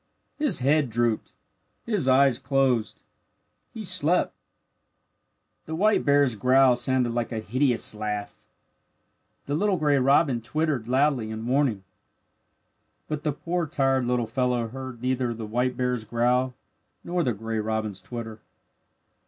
His head drooped. His eyes closed. He slept. The white bear's growl sounded like a hideous laugh. The little gray robin twittered loudly in warning. But the poor tired little fellow heard neither the white bear's growl nor the gray robin's twitter.